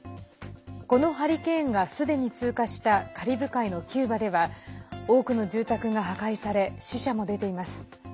このハリケーンがすでに通過したカリブ海のキューバでは多くの住宅が破壊され死者も出ています。